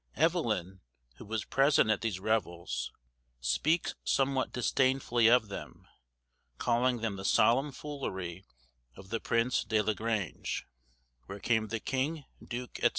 Evelyn, who was present at these revels, speaks somewhat disdainfully of them, calling them "the solemn foolerie of the Prince de la Grange, where came the king, duke," &c.